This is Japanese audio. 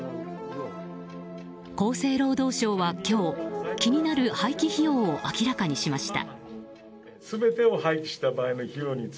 厚生労働省は今日気になる廃棄費用を明らかにしました。